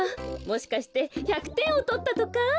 もしかして１００てんをとったとか？